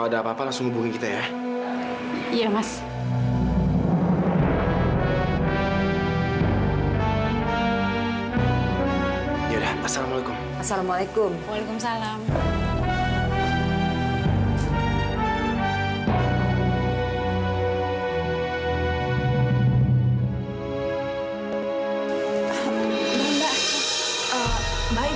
dan edo rasa itu indi deh ma